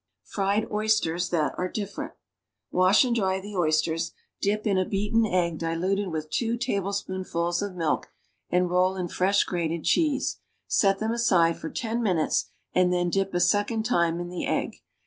FRIED OYSTERS THAT ARE DIFFERENT Wash ami dry the oysters, dip in a beaten egg diluted with two tablespoonfuls iif milk and roll in fresh grated cheese. Set them aside for ten Tninutes and thendip a second time in the egg.